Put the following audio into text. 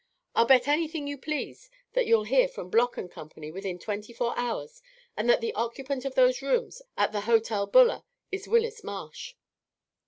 I'll bet anything you please that you'll hear from Bloc & Company within twenty four hours, and that the occupant of those rooms at the Hotel Buller is Willis Marsh."